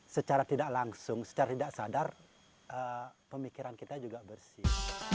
secara tidak langsung secara tidak sadar pemikiran kita juga bersih